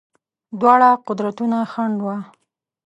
دواړه قدرتونه خنډ وه.